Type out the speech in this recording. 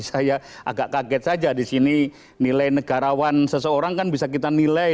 saya agak kaget saja di sini nilai negarawan seseorang kan bisa kita nilai